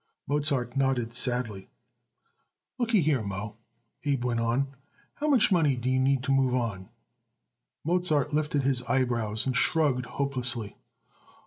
Mozart nodded sadly. "Looky here, Moe," Abe went on, "how much money do you need to move you?" Mozart lifted his eyebrows and shrugged hopelessly.